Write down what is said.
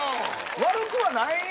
悪くはない。